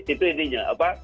itu intinya apa